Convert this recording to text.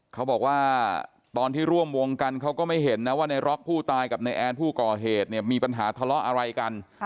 เขาบอกว่าตอนที่ร่วมวงกันเขาก็ไม่เห็นนะว่าในร็อกผู้ตายกับนายแอนผู้ก่อเหตุเนี่ยมีปัญหาทะเลาะอะไรกัน